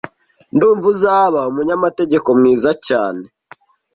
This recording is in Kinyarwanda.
Ndumva uzaba umunyamategeko mwiza cyane